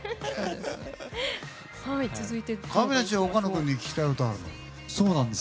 続いて、亀梨は岡野君に聞きたいことがある？